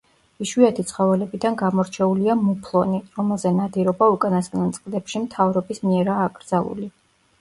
იშვიათი ცხოველებიდან გამორჩეულია მუფლონი, რომელზე ნადირობა უკანასკნელ წლებში მთავრობის მიერაა აკრძალული.